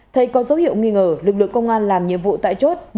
thấy có dấu hiệu nghi ngờ lực lượng công an làm nhiệm vụ tại chốt